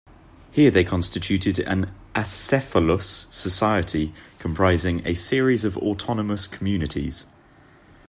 Here they constituted an acephalous society comprising a series of autonomous communities.